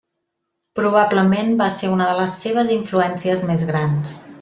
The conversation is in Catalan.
Probablement va ser una de les seves influències més grans.